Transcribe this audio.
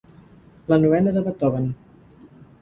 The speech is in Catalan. La novena de Beethoven.